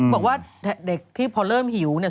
บอกว่าเด็กที่พอเริ่มหิวเนี่ย